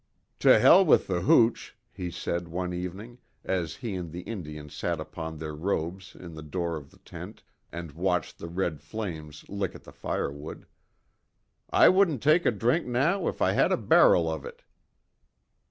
"To hell with the hooch," he said, one evening, as he and the Indian sat upon their robes in the door of the tent and watched the red flames lick at the firewood, "I wouldn't take a drink now if I had a barrel of it!"